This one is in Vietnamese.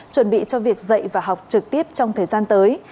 chuẩn bị cho việc dạy và học trực tiếp trong thời gian tới